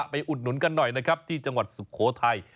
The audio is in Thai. อุดหนุนกันหน่อยนะครับที่จังหวัดสุโขทัย